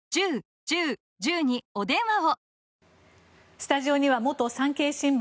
スタジオには元産経新聞